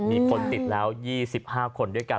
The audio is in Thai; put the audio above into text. มีคนติดแล้ว๒๕คนด้วยกัน